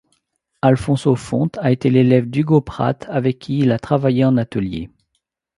Alfonso Font a été l'élève d'Hugo Pratt avec qui il a travaillé en atelier.